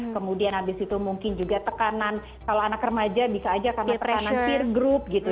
kemudian habis itu mungkin juga tekanan kalau anak remaja bisa aja karena tekanan peer group gitu